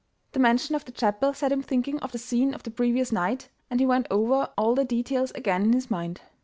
The mention of the chapel set him thinking of the scene of the previous night, and he went over all the details again in his mind.